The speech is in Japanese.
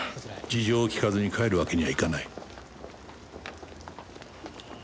事情を聴かずに帰るわけにはいかない